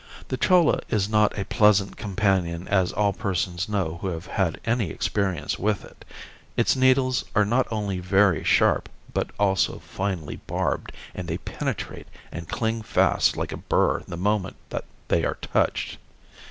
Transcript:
The cholla is not a pleasant companion as all persons know who have had any experience with it. Its needles are not only very sharp, but also finely barbed, and they penetrate and cling fast like a burr the moment that they are touched.